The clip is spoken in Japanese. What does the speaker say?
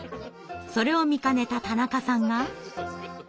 それを見かねた田中さんが。